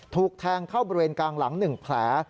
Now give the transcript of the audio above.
ถูกแทงเข้าบริเวณกลางหลัง๑แผล